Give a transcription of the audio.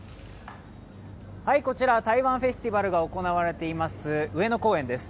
こちら、台湾フェスティバルが行われています上野公園です。